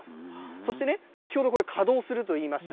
そしてね、先ほどこれ、稼働すると言いました。